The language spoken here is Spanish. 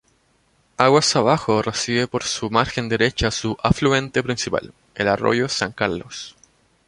Aguas abajo recibe por su margen derecha su afluente principal: el arroyo San Carlos.